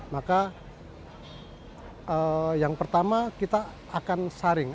maka yang pertama kita akan saring